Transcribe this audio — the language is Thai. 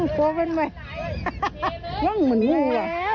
โอ้โปรเว้นไว้ว่างเหมือนมูล่ะ